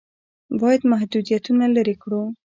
باید محدودیتونه لرې کړو.